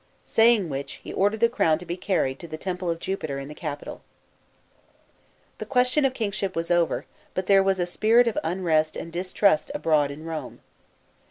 Saying which, he ordered the crown to be carried, to the temple of Jupiter, in the Capitol. The question of kingship was over, but there was a spirit of unrest and distrust abroad in Rome.